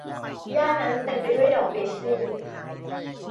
หญ้านั้นเต็มไปด้วยดอกเดซี่